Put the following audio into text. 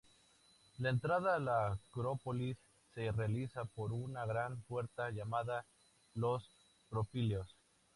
La entrada a la Acrópolis se realiza por una gran puerta llamada los Propileos.